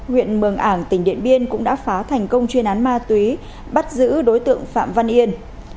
huyện mường ảng tỉnh điện biên cũng đã phá thành công chuyên án ma túy bắt giữ đối tượng phạm văn yên